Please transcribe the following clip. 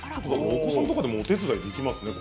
お子さんとかでもお手伝いできますね。